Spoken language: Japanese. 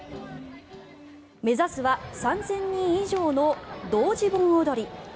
目指すは３０００人以上の同時盆踊り。